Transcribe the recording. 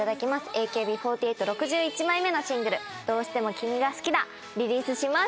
ＡＫＢ４８６１枚目のシングル『どうしても君が好きだ』リリースします。